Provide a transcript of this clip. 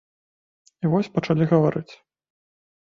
І вось пачалі гаварыць.